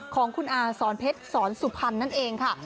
ของคุณอาสอนเพชรสอนสุพรรณนั่นเองค่ะ